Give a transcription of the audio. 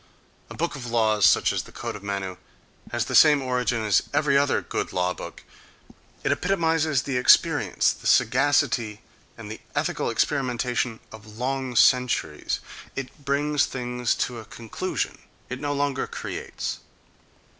—A book of laws such as the Code of Manu has the same origin as every other good law book: it epitomizes the experience, the sagacity and the ethical experimentation of long centuries; it brings things to a conclusion; it no longer creates.